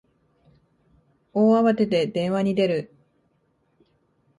大慌てで電話に出る